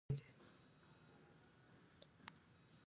د نوښتګر فکرونو سرچینه ځوانان دي.